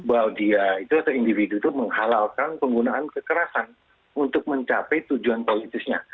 bahwa dia itu atau individu itu menghalalkan penggunaan kekerasan untuk mencapai tujuan politisnya